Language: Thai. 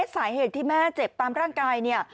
สาเหตุที่แม่เจ็บตามร่างกายเนี่ย